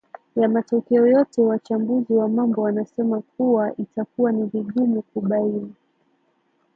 ya matokeo yote wachambuzi wa mambo wanasema kuwa itakuwa ni vigumu kubaini